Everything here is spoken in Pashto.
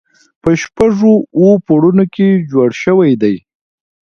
په شپږو اوو پوړونو کې جوړ شوی دی.